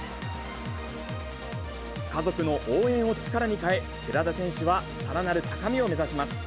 家族の応援を力に変え、寺田選手はさらなる高みを目指します。